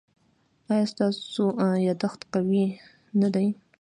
ایا ستاسو یادښت قوي نه دی؟